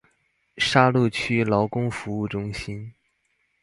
沙鹿區勞工服務中心